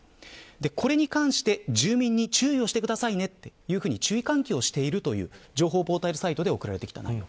これに関して住民に、注意をしてくださいねと注意喚起をしているという情報ポータルサイトで送られてきた内容。